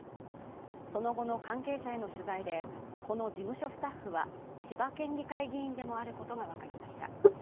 その後の関係者への取材で、この事務所スタッフは、千葉県議会議員でもあることが分かりました。